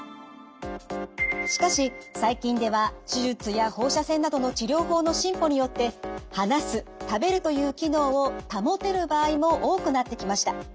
しかし最近では手術や放射線などの治療法の進歩によって話す食べるという機能を保てる場合も多くなってきました。